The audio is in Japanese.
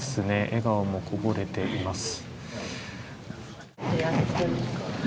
笑顔もこぼれています。